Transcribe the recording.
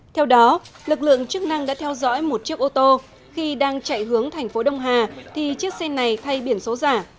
theo đó lực lượng chức năng đã theo dõi một chiếc ô tô khi đang chạy hướng thành phố đông hà thì chiếc xe này thay biển số giả